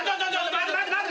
待て待て待て。